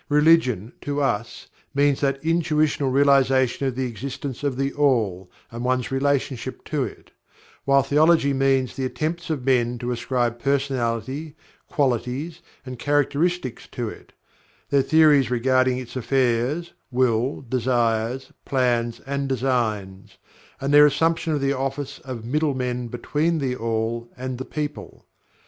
Religion, to us, means that intuitional realization of the existence of THE ALL, and one's relationship to it; while Theology means the attempts of men to ascribe personality, qualities, and characteristics to it; their theories regarding its affairs, will, desires, plans, and designs, and their assumption of the office of '' middle men'' between THE ALL and the people.